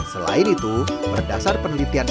selain itu berdasar penelitian